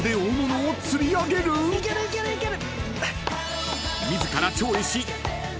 いけるいけるいける！